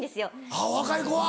あぁ若い子は。